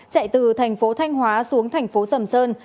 chạy từ thành phố thanh hóa xuống thành phố sầm sơn